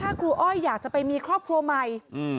มีเรื่องอะไรมาคุยกันรับได้ทุกอย่าง